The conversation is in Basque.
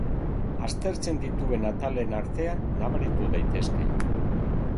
Aztertzen dituen atalen artean nabaritu daitezke.